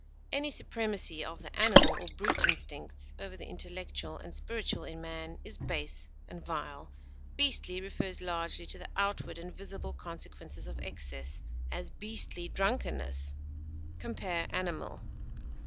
Any supremacy of the animal or brute instincts over the intellectual and spiritual in man is base and vile. Beastly refers largely to the outward and visible consequences of excess; as, beastly drunkenness. Compare ANIMAL.